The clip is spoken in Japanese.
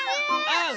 はい！